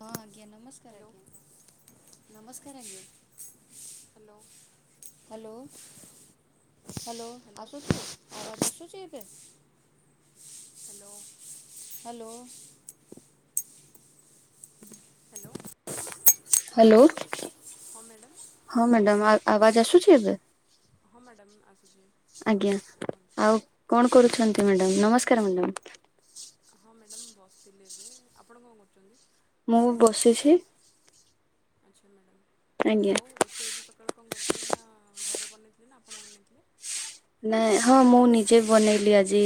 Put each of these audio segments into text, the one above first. ହଁ। ଆଜ୍ଞା ନମସ୍କାର ହ୍ୟାଲୋ ଆଜ୍ଞା। ନମସ୍କାର ଆଜ୍ଞା। ହ୍ୟାଲୋ। ହ୍ୟାଲୋ ହ୍ୟାଲୋ ଆସୁଛି ଆୱାଜ୍ ଆସୁଛିି ହ୍ୟାଲୋ [unintelligible] [inaudible] [inaudible] ହ୍ୟାଲୋ ହ୍ୟାଲୋ। ହ୍ୟାଲୋ। ହଁ ମ୍ୟାଡ଼ାମ୍ ହଁ ମ୍ୟାଡ଼ାମ ଆ ଆବାଜ ଆସୁଛି ନମ ଏବେ। ହଁ ମ୍ୟାଡ଼ାମ ଆସୁଛି। ଆବାଜ ଆଜ୍ଞା ଆସୁଛି କୁହନ୍ତୁ ଆଉ କଣ କରୁଛନ୍ତି ମ୍ୟାଡ଼ାମ୍ ନମସ୍କାର ମ୍ୟାଡ଼ାମ୍। ମ୍ୟାଡ଼ାମ ମୁଁ ବସିଥିଲି ଏବେ ଆପଣ କଣ କରୁଛନ୍ତି। ମୁଁ ବସିଛି। ଆଚ୍ଛା ମ୍ୟାଡ଼ମ୍। ଆଜ୍ଞା ଆଉ ରୋଷେଇ ଆଜି ସକାଳେ କଣ କରିଥିଲେ ନା ଘରେ ବନେଇଥିଲେ ନା ଆପଣ ବନେଇଥିଲେ। ନାଇଁ ହଁ ମୁଁ ନିଜେ ବନେଇଲି ଆଜି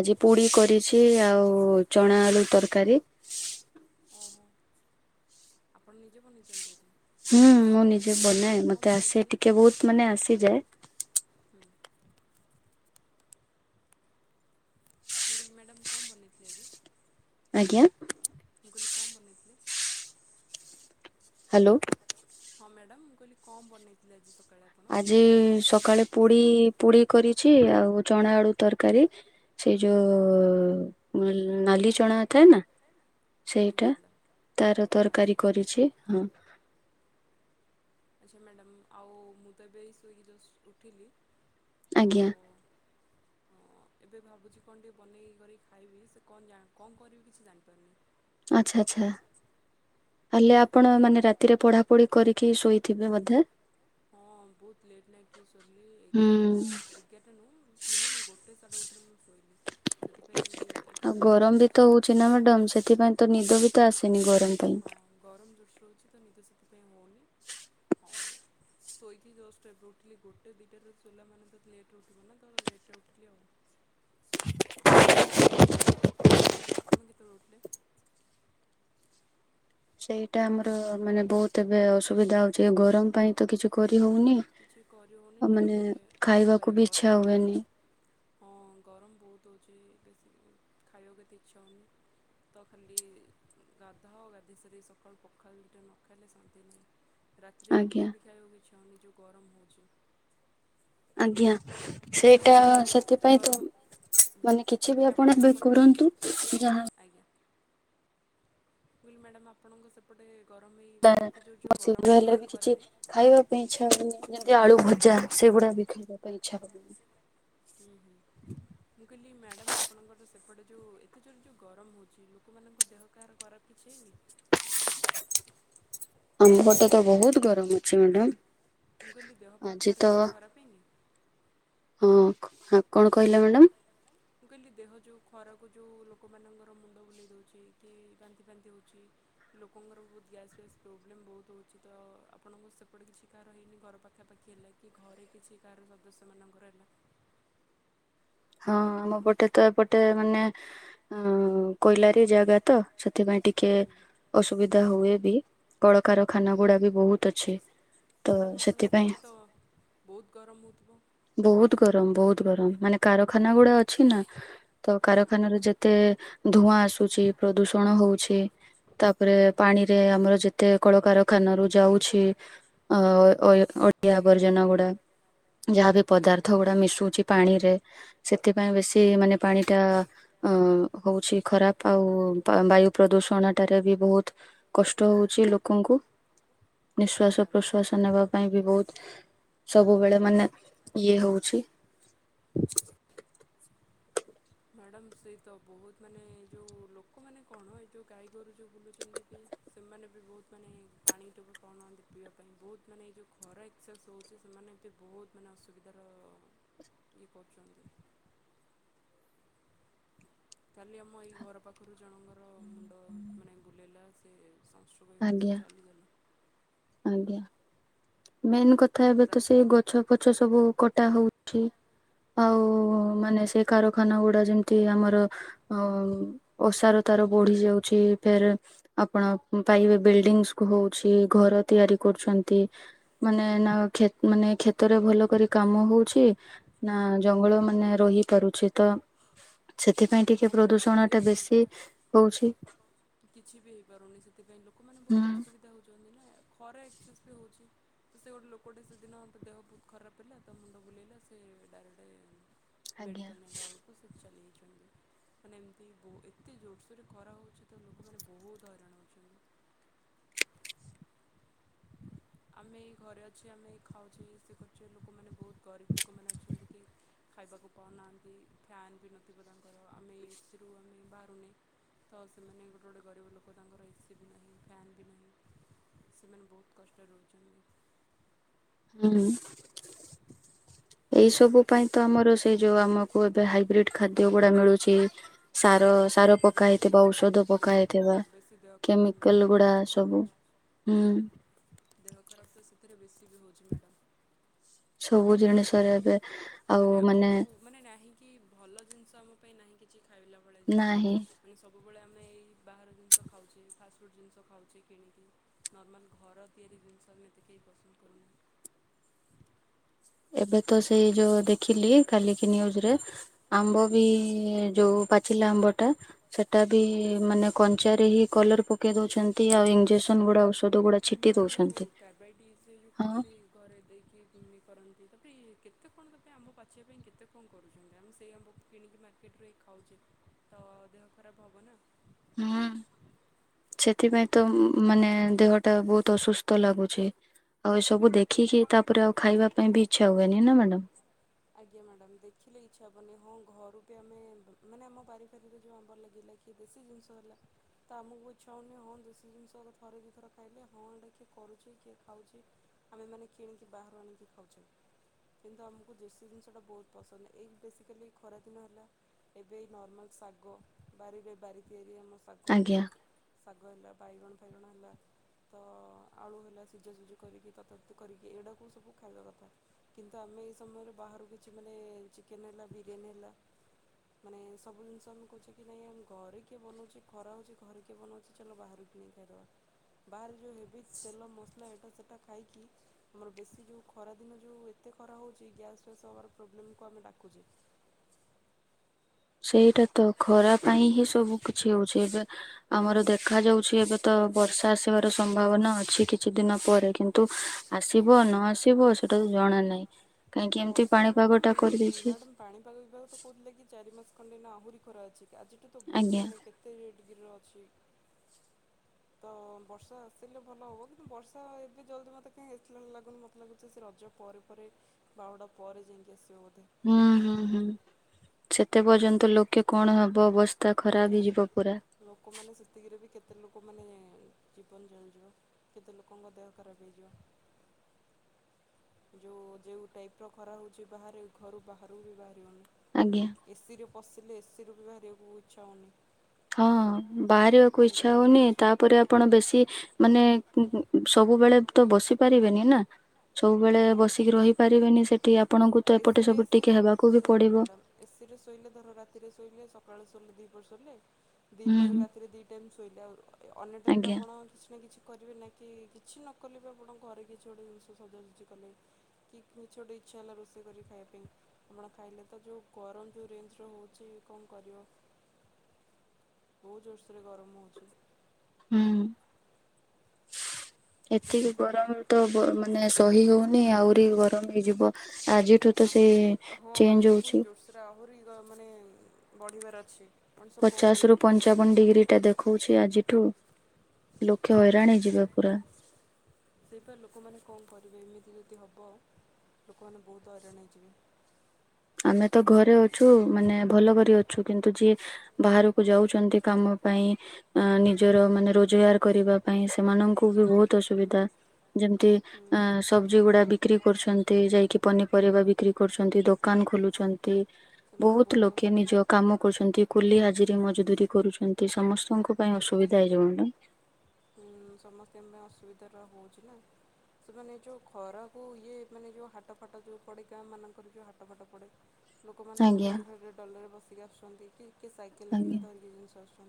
ଆଜି ପୁରୀ କରିଛି ଆଉ ଚଣା ଆଳୁ ତରକାରୀ। ଓହୋ ଆପଣ ନିଜେ ବନେଇଛନ୍ତି ଆଜ। ହୁଁ ମୁଁ ନିଜେ ବନାଏ ମତେ ଆସେ ବନେଇଥିଲେ? ଟିକେ ବହୁତ ମାନେ ଆସିଯାଏ। ହୁଁ ମୁଁ କହିଲି ମ୍ୟାଡ଼ାମ୍ କଣ ବନେଇଥିଲେ ଆଜି। ଆଜ୍ଞା। କଂ ବନେଇଥିଲେ। ହ୍ୟାଲୋ। ହଁ ମ୍ୟାଡ଼ାମ ମୁଁ କହିଲି କଣ ବନେଇଥିଲି ଆଜି ସ ଆଜି ସକାଳେ ପୁଡି ପୁଡି କରି ଛି ଆଉ ଚଣା ଆଡ଼ୁ ତରକାରୀ ସେ ଯୋଉ ନାଲି ଚଣା। ନଥାଏ ନା ଆଜ୍ଞା ସେଇଟା ମ୍ୟାଡ଼ାମ୍ ତାର ଆଚ୍ଛା। ତରକାରୀ କରିଛି ହଁ। ଆଚ୍ଛା ମ୍ୟାଡ଼ାମ ଆଉ ମୁଁ ତ ଏବେ ଏଇ ସୋଇକି ଜଷ୍ଟ୍ ଉଠିଲି। ଆଜ୍ଞା। ହଁ ଏବେ ଭାବୁଛି କଣ ଟିକେ ବନେଇ କରିକି ଖାଇବି ସେ କଣ କଣ କରିବି କିଛି ଜାଣିପାରୁନି। ଆଚ୍ଛା ଆଚ୍ଛା ହେଲେ ଆପଣ ମାନେ ରାତିରେ ପଢାପଢି କରିକି ଶୋଇଥିବେ ବୋଧେ। ହଁ ବହୁତ ଲେଟ୍ ନାଇଟ୍ ରେ ସୋଇଲି ହୁଁ। ଏଗାରଟା ଏଗାରଟା ନୁହଁ ମିନିୟମ୍ ଗୋଟେ ସାଢ଼େ ଗୋ ଟେରେ ମୁଁ ସୋଇଲି। ଆଉ ଗରମ ବି ତ ଆଉ। ହଉଚି ନା ମ୍ୟାଡ଼ାମ ସେଥିପାଇଁ ତ ନିଦ ବି ତ ଆସେନି ଗରମ ପାଇଁ। ହଁ ଗରମ ଜୋରସେ ରହୁଛି ତ ନିଦ ସେଥିପାଇଁ ସୋଇକି ଜଷ୍ଟ୍ ଏବେ ଉଠିଲି ଗୋଟେ ଦିଇଟା ରେ ସୋଇଲା ମାନେ ତ ଲେଟ୍ରେ ଉଠିବ ନା ତ ମୁଁ ଲେଟ୍ରେ ଉଠିଲି ଆଉହ ମ୍ୟାଡ଼ାମ ଆପଣ କେତେବେଳେ ଉଠିଲେ। ସେଇଟା ଆମର ମାନେ ବହୁତ ଏବେ ଅସୁବିଧା ହଉଛି ଗରମ ପାଇଁ ତ କିଛି କରି ହଉନି। କିଛି କରିହଉନି ଆଉ ମାନେ ଲେଟ୍ରେ କଣ ଖାଇବାକୁ କରିବା ଇଚ୍ଛା ଗରମ୍ ବି ହୁଏନି ହଉଚି। ହଁ ଗରମ ବହୁତ ହେଉଛି ବାଶ ଖାଇବାକୁ ଏତେ ଇଚ୍ଛା ହେଉନି ତ ଖାଲି ଗାଧା ଗାଧୋଇ ସାରି ସକାଳୁ ପଖାଳ ଦୁଇଟା ନ ଖାଇଲେ ଶାନ୍ତି ନାହିଁ। ରାତିରେ ଆଜ୍ଞା। ରୁଟି ଭଜା ବି ଖାଇକୁ ଇଚ୍ଛା ହେଉନି। ଗରମ ହେଉଛି। ଆଜ୍ଞା। ସେଇଟା ମ୍ୟାଡ଼ାମ୍ ଆପଣଙ୍କ ପଟେ ସେଥିପାଇଁ ତ ଗରମ ମାନେ ମୁଁ କିଛି ବି କହିଲି ଆପଣ ଆପଣଙ୍କ ଏବେ ପଟେ କରନ୍ତୁ ଯାହା। ଭୁଲ ମ୍ୟାଡ଼ାମ ଆପଣଙ୍କ ସେପଟେ। ଗରମ ହେଇ ମାନେ ଏତେ ଜୋର ଯେଉଁ ମୋ ଗରମ ଶୀଘର ହେଲେ ହେଉଛି ବି କିଛି ଖରାରେ ଖାଇବା ପାଇଁ ଇଛା ହୁଏନି ଯେମତି ଆଳୁ ଭଜା। ସେଇଗୁଡା ବି। ଖାଇବା ପାଇଁ ଇଚ୍ଛା ହବନି। ହୁଁ ହୁଁ ମୁଁ କହିଲି ମ୍ୟାଡାମ ଆପଣଙ୍କର ତ ସ ସେପଟେ ଯୋଉ ଏତେ ଯୋର ଯୋଉ ଗରମ ହଉଛି ଲୋକମାନଙ୍କ ଦେହ କାହାର ଖରାପ କିଛି ହେଇନି। ଆମ ପଟେ ତ ବହୁତ ଗରମ ଅଛି ମ୍ୟାଡାମ। ମୁଁ କହିଲି ଦେହ ପା ଆଜି ତ କଆର କିଛି ଖରାପ ହେଇନି। ହଁ କଣ କହିଲା ମ୍ୟାଡ଼ାମ। ମୁଁ କହିଲି ଦେହ ଯେଉଁ ଖରାକୁ ଯେଉଁ ଲୋକମାନଙ୍କର ମୁଣ୍ଡ ବୁଲେଇ ଦେଉଛି କି ବାନ୍ଧି ଫାନ୍ନ୍ତିି ହେଉଛି ଲୋକଙ୍କର ବହୁତ ଗ୍ୟାସ୍ ଫ୍ୟାସ୍ ପ୍ରୋବ୍ଲେମ୍ ବହୁତ ହେଉଛି ତ ଆପଣଙ୍କ ସେପଟେ କିଛି କାହାର ହେଇନି ଘର ପାଖାପାଖି ହେଲା କି ଘରେ କିଛି କାହାର ସଦସ୍ୟ ମାନଙ୍କର ହେଲା। ହଁ ଆମ ପଟେ ତ ଏପଟେ ମାନେ ଅ କୋଇଲାରୀ ଜାଗା ତ ସେ ସେଥିପାଇଁ ଟିକେ ହୁଁ ଅସୁବିଧା ହୁଏ। ବି କଳକାର ଖାନା ହୁଁ। ଗୁଡା ବି ବହୁତ ଅଛି। ତ ମ୍ୟାଡ଼ାମ୍ ଆପଣଙ୍କ ସେଥିପାଇଁ ସେପଟେ ତ ବହୁତ ଗରମ ହେଉଥିବ ବହୁତ ଗରମ ବହୁତ ଗରମ ମାନେ। କାରଖାନା ଗୁଡା ଅଛି ନା। ତ ଆଚ୍ଛା କାରଖାନ ହଁ। ର ଯେତେ। ଧୂଆଁ ଆସୁଛି ପ୍ରଦୂଷଣ ହଉଛି। ତାପରେ ହୁଁ ହୁଁ। ପାଣିରେ ଆମର ଯେତେ କଳକାରଖାନା ର ଯାଉଛି ଅ ଆଜ୍ଞା ମ୍ୟାଡ଼ାମ୍। ଅଡିଆ ଆବର୍ଜନ ଗୁଡା ଯାହାବ ପଦାର୍ଥ ଗୁଡା ମିଶୁଛି ପାଣି ରେ। ସେଥିପାଇଁ ବେଶୀ ମାନେ ପାଣିଟା ହଉଛି ଖରାପ ଆଉ ବାୟୁ ପ୍ରଦୂଷଣଟାରେ ବି ବହୁତ କଷ୍ଟ ହଉଛି ଲୋକଙ୍କୁ। ଆଜ୍ଞା ନିଃଶ୍ଵାସ ମ୍ୟାଡ଼ାମ୍। ପ୍ରଶ୍ଵାସ ନେବା ପାଇଁ ବି ବହୁତ। ସବୁବେଳେ ମାନେ ଇଏ ହଉଛି। ମ୍ୟାଡ଼ମ୍ ସେ ତ ବହୁତ ମାନେ ଏ ଯେଉଁ ଲୋକମାନେ କଣ ଏ ଯେଉଁ ଗାଈଗୋରୁ ଯେଉଁ ବୁଲୁଛନ୍ତି କି ସେମାନେ ବି ବହୁତ ମାନେ ପାଣିଟ ବି କଣନ୍ତି ପିଇବା ପାଇଁ ବହୁତ ମାନେ ଏ ଯେଉଁ ଖରା ଏକ୍ସେସ୍ ହେଉଛି ସେମାନେ ଏ ବି ବହୁତ ମାନେ ଅସୁବିଧାର ଇଏ କରୁଛନ୍ତି। କାଲି ଆମ ଏଇ ଘର ପାଖରୁ ଜଣଙ୍କର। ମୁଣ୍ଡ ମାନେ ବୁଲେଇଲା ସ ସେ ସଶ ହୋଇଗଲା ଆଜ୍ଞା। ସେ ଚାଲିଗଲେ। ଆଜ୍ଞା। ମେନ୍ କଥା ଏବେ ତ ସେ ଗଛ ଫଛ ସବୁ କଟା ହଉଛି। ଠିକ। ଆଉ ହଁ। ମାନେ ସେ କ ଖାନ ଗୁଡା ଯେମିତି ଆମର ଅ ଅସାର ତାର ବଢି ଯାଉଛି ଫେରେ ଆପଣ ପାଇବେ ବିଲ୍ଡିଙ୍ଗ କ ହଉଛି ଘର ତିଆରି କରୁଛନ୍ତି। ମାନେ ନା କ୍ଷେ ମାନେ କ୍ଷେତରେ ଭଲ କରି କାମ ହଉଛି ନା ଜଙ୍ଗଲ ମାନେ ରହିପାରୁଛେ ତ ସେଥିପାଇଁ ଟିକେ ହଁ ମ୍ୟାଡ଼ାମ୍ ପ୍ରଦୂଷଣ ସିଏ ଟା ତ ବେଶୀ ହଉଛି। [inaudible] କିଛି ବି ହେଇପାରୁନି ସେଥିପାଇଁ ଲୋକମାନେ ହୁଁ ବହୁତ ଅସୁବିଧା ହଉଛନ୍ତି। ନା ଖରା ଏକ୍ସସେସ୍ ବି ହେଉଛି ତ ସେ ଗୋଟେ ଲୋକଟି ସେଦିନ ତ ଦେହ ବହୁତ ଖରାପ ହୋ ତା ମୁଣ୍ଡ ବୁଲେଇଲା ସେ ଡାଇରେକ୍ଟ ଆଜ୍ଞା ମେଡ଼ିକାଲ ନେଲା ବେଳକୁ ସେ ଚାଲି ମାନେ ଏମିତି ବ ଏତେ ଜୋରସୋରରେ ଖରା ହେଉଛି। ତ ଲୋକମାନେ ବହୁତ ହଇରାଣ ହେଉଛନ୍ତି। ଆମେ ଏ ଘରେ ଅଛ ଆମେ ଖାଉଛେ ଏସି କରୁଛେ ଲୋକମାନେ ବହୁତ ଗରିବ ଲୋକମାନେ ଅଛନ୍ତି। କି ଖାଇବାକୁ ପାଉନାହାନ୍ତି ଫ୍ୟାନ୍ ବି ନଥିବ ତାଙ୍କର ଆମେ ଏସିରୁ ଆମେ ବାହାରୁନେ ତ ସେମାନେ ଗୋଟେ ଗୋଟେ ଗରିବ ଲୋକ ତାଙ୍କର ଏସି ବି ନାହିଁ ଫ୍ୟାନ୍ ବି ନାହିଁ ସେମାନେ ବହୁତ କଷ୍ଟ ରହୁଛନ୍ତି। [inaudible] ହୁଁ ଏଇ ସବୁ ପାଇଁ ତ ଆମର ସେଇ ଯୋଉ ଆମକୁ ଏବେ ହାଇବ୍ରିଡ ଖାଦ୍ୟ ଗୁଡା ମିଳୁଛି ସା ବେଶୀ ଦେହ ବେଶୀ ହଁ ହେଇଥିବା ବେଶୀ ଦେହ ଖରାପ କେମିକାଲ ମାନେ ଗୁଡା ସେଥିରେ ସବୁ ହୁଁ ରହୁଛି। ଦେହ ଖରାପ ତ ସେଥିରେ ବେଶି ବି ହଉଛି ମ୍ୟାଡ଼ାମ। ସବୁ ଜାଣିଶୁଣି ମାନେ ଆଉ ମାନେ ନାହିଁ କି ଭଲ ଜିନିଷ। ତମ ପାଇଁ ନାହିଁ କିଛି। ଖାଇଲା ଭଳିଆ ଜିନିଷ। ନାହିଁ ମାନେ ସବୁ ସବୁବେଳେ ଆମେ ଏଇ ବାହାର ଜିନିଷ ଖାଉଛେ ଫାଷ୍ଟଫୁଡ଼୍ ଜିନିଷ ଖାଉଛେ କିଣିକି ନର୍ମାଲ ଘର ତିଆରି ଜିନିଷ ଆମେ ଏତେ କେହି ପସନ୍ଦ କରୁନେ। ଏବେ ତ ସେଇ ଯୋଉ ଦେଖିଲି କାଲିକି ନ୍ୟୁଜ ରେ ଆମ୍ବ ବି ଯୋଉ ପାଚିଲା ଆମ୍ବ ଟା ସେଟା ବି ମାନେ କଞ୍ଚାରେ ହିଁ କଲର ପକେଇ ଦଉଛନ୍ତି ଆଉ ଇଂଜେକ୍ସନ୍ ଗୁଡା ଔଷଧ ଗୁଡା ହଁ ଛିଟି ମ୍ୟାଡ଼ାମ ଯୋଉ ଦଉଛନ୍ତି। କର୍ବାଇଟ ସେ ଯୋଉ ହଁ କୁହନ୍ତି ଘରେ ଦେଇକି ଘୁମି କରନ୍ତି ତ। ରି କେତେ କଣ ତା ପାଇଁ ଆମ୍ବ ପାଚିବା ପାଇଁ କେତେ କଣ କରୁଛନ୍ତି ଆମ୍ବ ପାଚିବା ପାଇଁ କେତେ କଣ କରୁଛନ୍ତି ଆମେ ସେଇ ଆମ୍ବକୁ କିଣିକି ମାର୍କେଟରେ ଖାଉଛେ ତ ଦେହ ଖରାପ ହବ ନା। ହୁଁ ସେଥିପାଇଁ ତ ମାନେ ଦେହ ଟା ବହୁତ ଅସୁସ୍ଥ ଲାଗୁଛି ଆଉ ଏସବୁ ଦେଖିକି ତାପରେ ଆଉ ଖାଇବା ପାଇଁ ବି ଇଚ୍ଛା ହୁଏନି ନା ମ୍ୟାଡାମ। ଆଜ୍ଞା ମ୍ୟାଡ଼ାମ ଦେଖିଲେ ଇଚ୍ଛା ହେବନି ହଁ ଘରୁ ବି ଆମେ ମାନେ ଆମ ବାରିଫାରିରେ ଯେଉଁ ଆମ୍ବର ଲାଗିଲା କିଏ ଦେଶୀ ଜିନିଷ ହେଲା ତ ଆମକୁ ଇଚଛା ହେଉନି ହଁ ଦେଶୀ ଜିନିଷ ଥରେ ଦୁଇ ଥର ଖାଇଲେ ହଁ ଏଟା କିଏ କରୁଛି କିଏ ଖାଉଛି ଆମେ ମାନେ କିଣିକି ବାହାରୁ ଆଣିକି ଖାଉଛେ କିନ୍ତୁ ଆମକୁ ଦେଶି ଜିନିଷଟା ବହୁତ ପସନ୍ଦ ଏଇ ବେସିକାଲି ଖରାଦିନ ହେଲା ଏବେ ଏଇ ନର୍ମାଲ୍ ଶାଗ ବାରି ଏ ବାରି ତିଆରି ଶାଗ ଆଜ୍ଞା [inaudible] ଶାଗ। ହେଲା ବାଇଣ ଫାଇଣ ହେଲା ତ ଆଳୁ ହେଲା ସିଝା ସୁଝି କରିକି ଏଡାକ ସବୁ ଖାଇବା କଥା କିନ୍ତୁ ଆମେ ସମୟରେ ବାହାରୁ କିଛି ମାନେ ଚିକେନ୍ ହେଲା ବିରିୟାନୀ ହେଲା ମାନେ ସବୁ ଜିନିଷ ଆମେ କହୁଛେ କି ନାଇଁ ଆମେ ଘରେ କିଏ ବନଉଛି ଖରା ହେଉଛି ଘରେ କିଏ ବନଉଛି ଚାଲ ବାହାରୁ କିଣିକି ଖାଇଦବା। ବାହାରେ ଯେଉଁ ହେବ ତେଲ ମସଲା ଏଇଟା ସେଇଟା ଖାଇକି ଆମର ବେଶୀ ଯଉଁ ଖରା ଦିନ ଯଉଁ ଏତେ ଖରା ହେଉଛି ଗ୍ୟାସ୍ ଫ୍ୟାସ୍ ପ୍ରୋବ୍ଲେମ୍ କୁ ଆମେ ଡାକୁଛେ। ସେଇଟା ତ ଖରା ପାଇଁ ହିଁ ସବୁ କିଛି ହଉଛି ଆମର ଦେଖା ଯାଉଛି ଏବେ ତ ବର୍ଷା ଆସିବାର ସମ୍ଭାବନା ଅଛି କିଛି ଦିନ ପରେ କିନ୍ତୁ ଆସିବ ନ ଆସିବ ସେଟା ତ ଜଣା ନାହିଁ। କାହିଁକି ଏମିତି ବର୍ଷା ପାଣିପାଗ ଟା ମ୍ୟାଡାମ କରିଦେଇଛି ମ୍ୟାଡାମ ପାଣିପାଗ ବିଭାଗ ତ କହୁଥିଲେ କି ଚାରି ମାସ ଖଣ୍ଡେ ନା ଆହୁରି ଖରା ଅଛି। ଆଜିଠୁ ତ ଆଜ୍ଞା ବହୁତ ମାନେ କେତେ ଗିରି ରେ ଅଛି। ତ ବର୍ଷା ଆସିଲେ ଭଲ ହବ କିନ୍ତୁ ବର୍ଷା ଏବେ ଜଲଦି ମତେ କାହିଁ ଆସିଲା ଲାଗୁନି ମତେ ଲାଗୁଛି ସେ ରଜ ପରେ ପରେ ବାହୁଡା ପରେ ଯାଇକି ଆସିବ। ହୁଁ ହୁଁ ହୁଁ ସେତେ ପର୍ଯ୍ୟନ୍ତ ଲୋକେ କଣ ହବ ଅବସ୍ଥା ଖରାପ ହେଇଯିବ। ପୁରା ଲୋକମାନେ ସେତିକିରେ ବି କେ କେତେ ଲୋକମାନେ ଜୀବନ ଜଳିଯିବ କେତେ ଲୋକଙ୍କ ଦେହ ଖରାପ ହେଇଯିବ। [inaudible] ଯେଉ ଯେଉଁ ଟାଇପ୍ ର ଖରା ହେଉଛି ବାହାରେ ଘରୁ ବାହହାରାରୁ ବି ଆଜ୍ଞା। ବାହାରିବନି। ଏସିିରେ ପଶି ଏସିରୁ ବି ବାହାରିବାକୁ ଇଚ୍ଛା ହୋଉନି। ହଁ ବାହାରିବାକୁ ଇଚଛା ଗରମ ହଉନି ହେଉଛି। ତାପରେ ଆପଣ ବେଶୀ ମାନେ ସବୁବେଳେ ତ ବସି ପାରିବେନି ନା। ସବୁବେଳେ ହଁ। ବସିକି ରହିପାରିବେନି ସେଠି ଆପଣଙ୍କୁ ତ ଏପଟେ ଏସିରେ ସବୁ ଟିକେ ଏସିରେ ହେବାକୁ ବି ଶୁଣନ୍ତୁ ପଡିବ। ମ୍ୟାଡାମ ଏସି ରେ ଶୋଇଲେ ଧର ରାତିରେ ଶୋଇଲେ ସକାଳୁ ସେମିତି ଶୋଇଲେ। ଦି ପରେ ହୁଁ ରାତିରେ ଦି ଟାଇମ୍ ଶୋଇଲେ ଆଉ ଅନ୍ୟ ଟାଇମ୍ ତ ଆଜ୍ଞା ଆପଣ କିଛି ନା କିଛି କରିବେ ନା କି କିଛି ନ କଲେ ବି ଆପଣଙ୍କ ଘରେ କିଛି ଗୋଟେ ଜିନିଷ ସଜାସଜି କଲେ କିଛି ଗୋଟେ ଇଚ୍ଛା ହେଲା ରୋଷେ କରି ଖାୟାପାଇ ଆପଣ ଖାଇଲେ ତୋ ଯୋଉ ଗରମ ଯେ ରେ୍ଜ ହେଉଛି କଣ କରିବ। ବହୁତ ଜୋର୍ଷରେ ଗରମ ହଉଛି। ହୁଁ। ତ ଏତିକି ସେଥିପାଇଁ ଗରମ ତ ମାନେ ସହି ହଉନି ଆହୁରି ଗରମ ହେଇଯିବ ଆଜିଠୁ ତ ଆହୁରି ସେଇ ହଁ ଚେଞ୍ଜ ଆଜିଠୁ ପୁଣି ହୋଉଛି। ଜୋରସୋରରେ ଆହୁରି ମାନେ ବଢ଼ିବାର ଅଛି। ମଣିଷ କଣ ପଚାଶ କରିବେ ରୁ ଏତେ ଗରମ ପଞ୍ଚାବନ ହେଲେ ଡିଗ୍ରୀ ଟା ଦେଖଉଛି ଆଜିଠୁ। ଲୋକେ ହଇରାଣ ହେଇ ଯିବେ ପୁରା। ସେହିପରି ଲୋକମାନେ କଣ କରିବେ ଏମିତି ଯଦି ହବ ଲୋକମାନେ ବହୁତ ହଇରାଣ ହେଇ ଯିବେ। ଆମେ ତ ଘରେ ଅଛୁ ମାନେ ଭଲ କରି ଅଛୁ କିନ୍ତୁ ଯିଏ ବାହାରକୁ ଯାଉଛନ୍ତି କାମ ପାଇଁ ନିଜର ମାନେ ରୋଜଗାର କରିବା ପାଇଁ ସେମାନଙ୍କୁ ବି ବହୁତ ଅସୁବିଧା। ଯେମିତି ଅ ସବଜି ଗୁଡା ବିକ୍ରି କରୁଛନ୍ତି ଯାଇକି ପନିପରିବା ବିକ୍ରି କରୁଛନ୍ତି ଦୋକ ଦୋକାନ ଖୋଲୁଛନ୍ତି। ସେମାନେ ବହୁତ ଲୋକେ ଅସୁବିଧା ନିଜ କାମ କରୁଛନ୍ତି କୁଲି ଆଜିରେ ମଜୁରି ଦୂୀ କରୁଛନ୍ତି ସମସ୍ତଙ୍କ ପାଇଁ ଅସୁବିଧା ହେଇଯିବ ନା। ସମସ୍ତେଙ୍କ ପାଇଁ ଅସୁବିଧା ହେଉଛି ନା ସେମାନେ ଯେଉଁ ଖରାକୁ ଇଏ ମାନେ ଯେଉଁ ହାଟ ଫାଟ ଯେଉଁ ପଡ଼େ ଗାଁ ମାନଙ୍କରେ ଯେଉଁ ହାଟ ଫାଟ ପଡ଼େ। ଲୋକମାନେ ଯୋଉ ଆଜ୍ଞା ଗାଡି ଭାଡି ଡାଲାରେ ବସି କି ଆସୁଛନ୍ତି କି କିଏ ସାଇକେଲିଂରେ ଆଜ୍ଞା ଧରିକି ଜିନିଷ ଆସୁ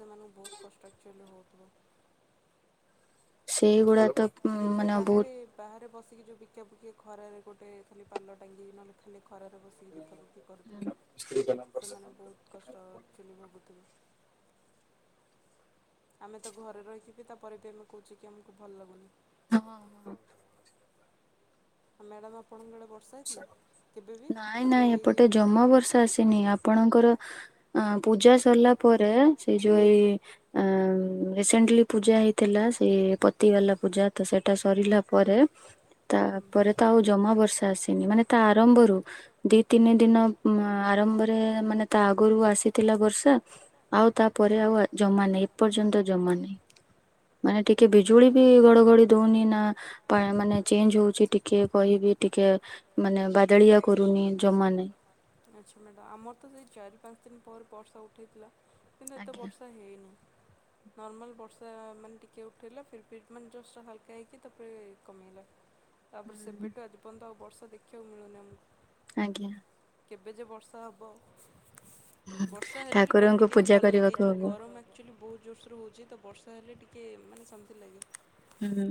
ସେମାନଙ୍କୁ ବହୁତ କଷ୍ଟ ଆକଚୁଆଲି ହେଉଥିବ। ସେଇଗୁଡା ତ ଉ ମାନେ ବହୁତ ଟିକେ ଯୋଉ ବିକା ବିକି ଖରାରେ ଗୋଟେ ଖାଲି ପାଲ ଟାଙ୍ଗି ନେହଲେ ଖାଲି ଖରାରେ ବସିକି ବିକା ବିକି କରୁଥିବେ ସେମାନେ ବହୁତ କଷ୍ଟ ଆକଚୁଆଲି ଭୋଗୁଥିବେ। ଆମେ ତ ଘରେ ରହିକି ବି ତାପରେ ବି ଆମେ କହୁଛେ କି ଆମକୁ ଭଲ ଲାଗୁନି। ହଁ ହଁ। ଆଉ ମ୍ୟାଡ଼ାମ ଆପଣଙ୍କ ଆଡ଼େ ବ ନାଇଁ ନାଇଁ ଦୁଇ ଏପଟେ ତିନି ଦିନ ଜମା ଭିତରେ? ବର୍ଷା ଆସିନି ଆପଣଙ୍କର ପୂଜା ସରିଲା ପରେ ସେ ଯୋଉ ଏଇ ରିସେଣ୍ଟଲି ପୂଜା ହେଇଥିଲା ସେ ପତିିବାଲା ପୂଜା ତ ସେଇଟା ସରିଲା ପରେ। ହୁଁ ତାପରେ ତ ଆଉ ଜମା ବର୍ଷା ଆସି। ମାନେ ତା ଆରମ୍ଭରୁ ଦି ତିନି ଦିନ ଆରମ୍ଭରେ ମାନେ ତା ଆଗରୁ ଆସିଥିଲା ବର୍ଷା ଆଉ ତାପରେ ଆଉ ଜମା ନାହିଁ ଏପର୍ଯ୍ୟନ୍ତ ଜମା ନାହିଁ ମାନେ ଟିକେ ବିଜୁଳି ବି ଗଡଘଡି ଦଉନି ନା ମାନେ ଚେଞ୍ଜ ହଉଛି ଟିକେ କହିବି ଟିକେ। ମାନେ ବାଦଳିଆ କରୁନି ଜମା ନାଇ। ଆଚ୍ଛା ମ୍ୟାଡ଼ାମ ଆମର ତ ସେଇ ଚାରି ପାଞ୍ଚ ଦିନ ପରେ ବର୍ଷା ଉଠାଇଥିଲା। କିନ୍ତୁ ଏତେ ଆଜ୍ଞା। ବର୍ଷା ହେଇନି। ନର୍ମାଲ୍ ବର୍ଷା ମାନେ ଟିକେ ଉଠେଇଲେ ଫିର୍ ଫି ମାନେ ଜଷ୍ଟ ହାଲକା ହେଇକି ତାପରେ କମିଗଲା। ତାପରେ ହୁଁ ସେବେଠୁ ଆଜି ପର୍ଯ୍ୟନ୍ତ ଆଉ ବର୍ଷ। ଦେଖିବାକୁ ମିଳୁନି ଆମକୁ। ଆଜ୍ଞା କେବେ ଯେ ବର୍ଷା ହେବ। ବର୍ଷା ହେଲେ ବି କଣ ଠାକୁରଙ୍କୁ ଟିକେ ପୂଜା ଭଲ ଲାଗେ କରିବାକୁ ଯୋଉ ହବ ଗରମ ଆକଚୁଆଲି ବହୁତ ଯୋର୍ସେରେ ହଉଛି ତ ବର୍ଷା ହେଲେ ଟିକେ। କିଏ ମାନେ ସେ [inaudible] ହୁଁ।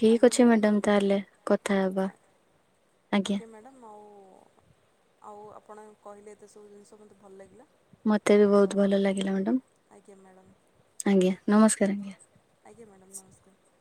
ଠିକ ଆଜ୍ଞା ଅଛି ମ୍ୟାଡ଼ାମ୍ ମ୍ୟାଡ଼ାମ ତାହଲେ କଥା ହେବା। ଆଜ୍ଞା ଓ ଆଉ ଆପଣ କହିଲେ ଏତେ ସବୁ ଜିନିଷ ମୋତେ ଭଲ ଲାଗିଲା ମତେ ବି ତ ବହୁତ ଭଲ ଲାଗିଲା ଆଜ୍ଞା ମ୍ୟାଡ଼ାମ୍ ମ୍ୟାଡ଼ାମ ଆଜ୍ଞା। ନମସ୍କାର ଆ। ଆଜ୍ଞା ମ୍ୟାଡ଼ାମ୍ ନମସ୍କାର।